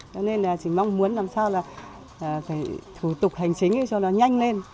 cho nên là chỉ mong muốn làm sao là cái thủ tục hành chính cho nó nhanh lên